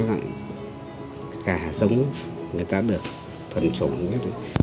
nó là một cái loại gà giống người ta được thuận chủng nhất